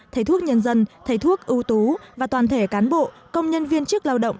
thầy thuốc nhân dân thầy thuốc ưu tú và toàn thể cán bộ công nhân viên chức lao động